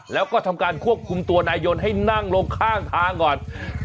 แล้วก็ทำการควบคุมตัวนายยนต์ให้นั่งลงข้างทางก่อน